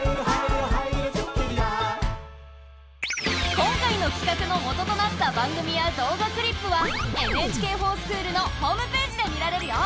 今回のきかくの元となった番組や動画クリップは「ＮＨＫｆｏｒＳｃｈｏｏｌ」のホームページで見られるよ。